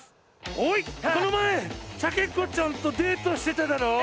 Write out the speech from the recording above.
おいこの前サケコちゃんとデートしてただろう！